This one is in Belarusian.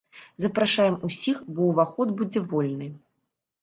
Запрашаем усіх, бо ўваход будзе вольны.